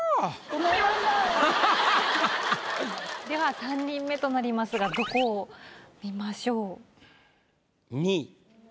では３人目となりますがどこを見ましょう？